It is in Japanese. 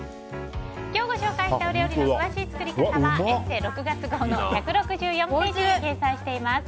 今日ご紹介した料理の詳しい作り方は「ＥＳＳＥ」６月号の１６４ページに掲載しています。